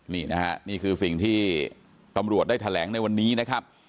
นี่นะฮะนี่คือสิ่งที่ตำรวจได้แถลงในวันนี้นะครับ